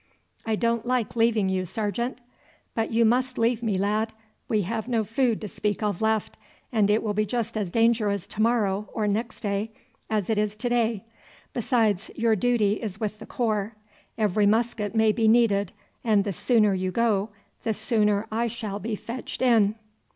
"I don't like leaving you, sergeant." "But you must leave me, lad. We have no food to speak of left, and it will be just as dangerous to morrow or next day as it is to day. Besides, your duty is with the corps. Every musket may be needed, and the sooner you go the sooner I shall be fetched in."